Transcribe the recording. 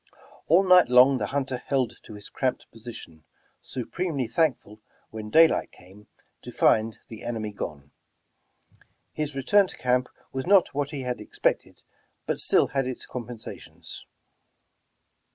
All night long the hunter held to his cramped position, supremely thank ful when daylight came, to find the enemy gone. His return to camp was not what he had expected, but still had its compensations.